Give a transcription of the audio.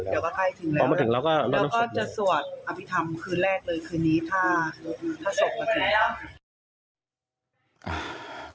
เดี๋ยวก็ถ้าถึงแล้วก็จะสวรรค์อภิษฐรรมคืนแรกเลยคืนนี้ถ้าศพถึง